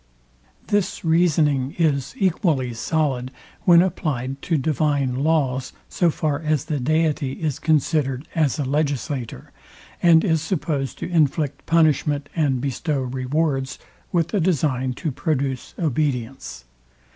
This reasoning is equally solid, when applied to divine laws, so far as the deity is considered as a legislator, and is supposed to inflict punishment and bestow rewards with a design to produce obedience.